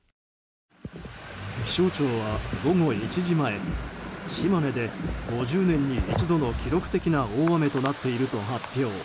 気象庁は午後１時前島根で５０年に一度の記録的な大雨となっていると発表。